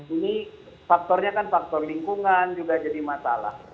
ini faktornya kan faktor lingkungan juga jadi masalah